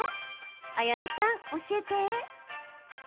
綾菜さん、教えて！